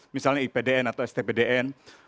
misalnya ipdn atau stpdn